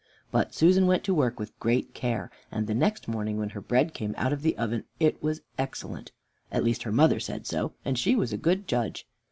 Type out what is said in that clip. But Susan went to work with great care, and the next morning when her bread came out of the oven, it was excellent: at least her mother said so, and she was a good judge.